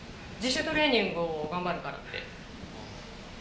自主トレーニングを頑張るからって。